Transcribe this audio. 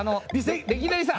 レキデリさん。